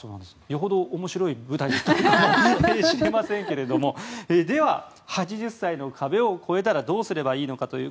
よほど面白い舞台だったのかもしれませんけど８０歳の壁を超えたらどうすればいいのか。